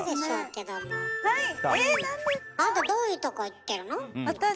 あなたどういうとこ行ってるの？